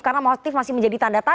karena motif masih menjadi tanda tanda